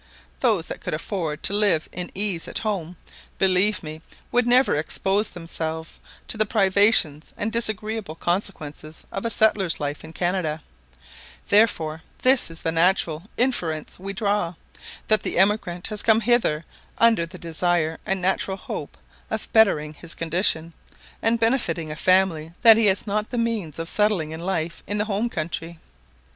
Those that could afford to live in ease at home, believe me, would never expose themselves to the privations and disagreeable consequences of a settler's life in Canada: therefore, this is the natural inference we draw, that the emigrant has come hither under the desire and natural hope of bettering his condition, and benefiting a family that he has not the means of settling in life in the home country.